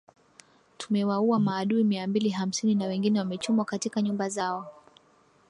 Tumewaua maadui mia mbili hamsini na wengine wamechomwa katika nyumba zao